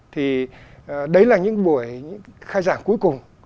thì đấy là những buổi khai giảng cuối cùng